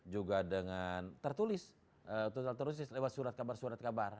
juga dengan tertulis lewat surat kabar surat kabar